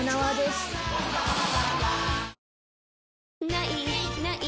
「ない！ない！